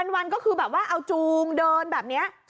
วันก็เอาจูงแบบนี้